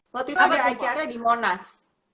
waktu itu ada acara di monas